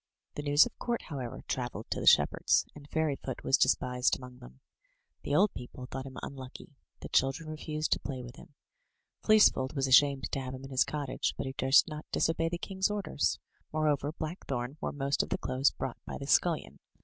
The news of court, however, travelled to the shepherds, and Fairyfoot was despised among them. The old people thought him unlucky; the chil dren refused to play with him. Fleecefold was ashamed to have him in his cottage, but he durst not disobey the king's orders. Moreover, Blackthorn wore most of the clothes brought by the scullion.